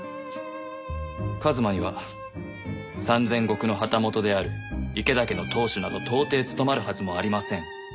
一馬には３千石の旗本である池田家の当主など到底務まるはずもありません。